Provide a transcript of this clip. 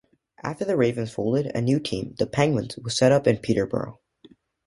After the Ravens folded, a new team, the Penguins, was set up in Peterborough.